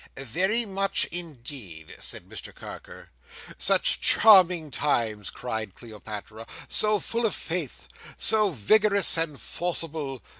"Very much, indeed," said Mr Carker. "Such charming times!" cried Cleopatra. "So full of faith! So vigorous and forcible!